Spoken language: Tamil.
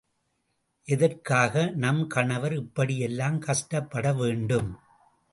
எதற்காக நம் கணவர் இப்படி எல்லாம் கஷ்டப்படவேண்டும்?